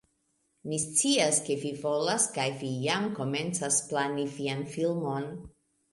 Mi scias, ke vi volas kaj vi jam komencas plani vian filmon